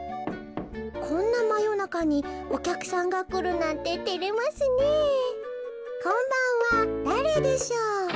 「こんなまよなかにおきゃくさんがくるなんててれますねえこんばんはだれでしょう？」。